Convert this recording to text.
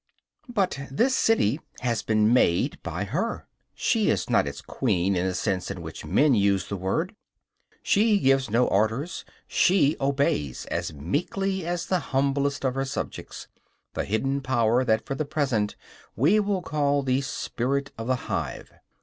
But this city has been made by her. She is not its queen in the sense in which men use the word. She gives no orders; she obeys, as meekly as the humblest of her subjects, the hidden power that for the present we will call the "spirit of the hive."